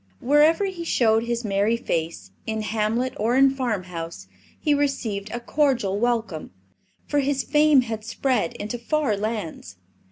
Wherever he showed his merry face, in hamlet or in farmhouse, he received a cordial welcome, for his fame had spread into far lands.